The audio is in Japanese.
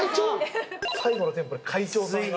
最後の店舗で会長さんが。